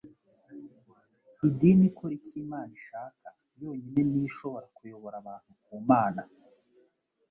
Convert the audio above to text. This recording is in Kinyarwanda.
Idini ikora icyo Imana ishaka yonyine ni yo ishobora kuyobora abantu ku Mana.